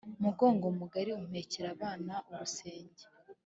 Mugongo mugari umpekera abana-Urusenge.